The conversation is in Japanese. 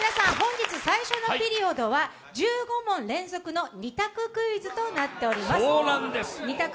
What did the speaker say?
本日最初のピリオドは１５問連続の２択問題となっております。